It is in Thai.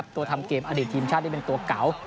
ตัวทำเกมอดีตทีมชาติที่เป็นตัวเก่า